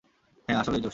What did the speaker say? হ্যাঁ, আসলেই জোশ।